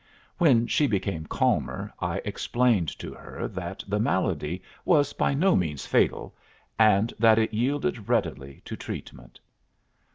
When she became calmer I explained to her that the malady was by no means fatal, and that it yielded readily to treatment."